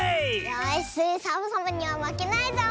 よしサボさんにはまけないぞ！